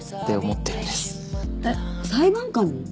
えっ裁判官に？